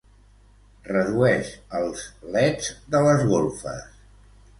Redueix els leds de les golfes.